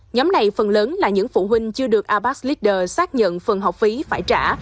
nhóm này phần lớn là những phụ huynh chưa được abax leader xác nhận phần học phí phải trả